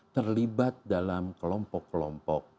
terlibat dalam kelompok kelompok